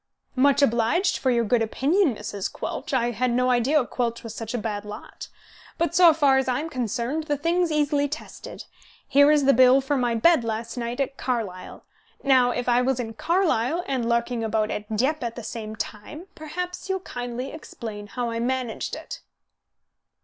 "Much obliged for your good opinion, Mrs. Quelch. I had no idea Quelch was such a bad lot. But, so far as I am concerned, the thing's easily tested. Here is the bill for my bed last night at Carlisle. Now if I was in Carlisle and larking about at Dieppe at the same time, perhaps you'll kindly explain how I managed it."